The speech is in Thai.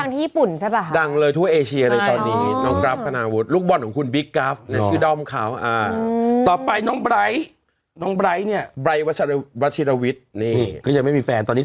ไม่ดังที่ญี่ปุ่นใช่ไหม